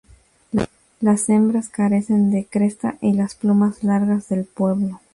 Las hembras carecen de cresta y las plumas largas del pueblo.